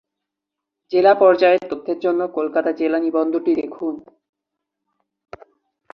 জেলা পর্যায়ের তথ্যের জন্য কলকাতা জেলা নিবন্ধটি দেখুন।